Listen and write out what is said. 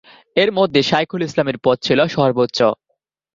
এর মধ্যে শাইখুল ইসলামের পদ ছিল সর্বোচ্চ।